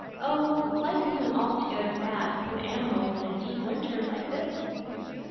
Oh, life isn't altogether bad for the animals in a deep winter like this!"